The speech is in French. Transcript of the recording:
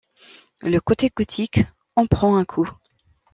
Le côté gothique en prend un coup.